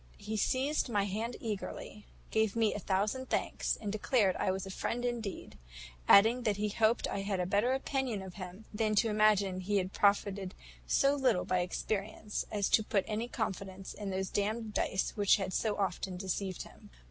He seized my hand eagerly, gave me a thousand thanks, and declared I was a friend indeed; adding that he hoped I had a better opinion of him than to imagine he had profited so little by experience, as to put any confidence in those damned dice which had so often deceived him.